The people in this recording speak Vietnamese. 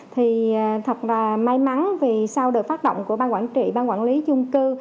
thì thật là may mắn vì sau đợt phát động của bang quản trị ban quản lý chung cư